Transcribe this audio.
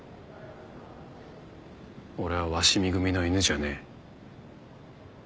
俺は鷲見組の犬じゃねえ。